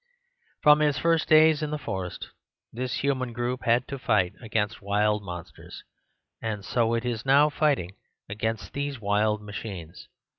From its first days in the forest this human group had to fight against wild monsters; and so it is now fighting against these wild ma chines.